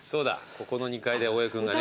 ここの２階で大江君がね。